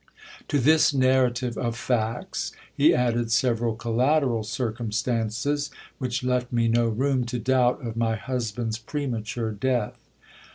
To this narrative of facts he added several collateral circumstances, which left me no room to doubt of my husband's premature death.